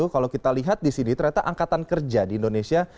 kalau kita lihat di sini ternyata angkatan kerja di indonesia